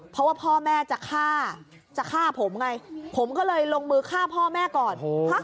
เพราะว่าพ่อแม่จะฆ่าจะฆ่าผมไงผมก็เลยลงมือฆ่าพ่อแม่ก่อน